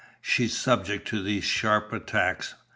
"She's subject to these sharp attacks.